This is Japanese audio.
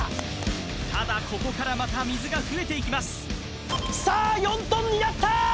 ただここからまた水が増えていきますさあ４ｔになった！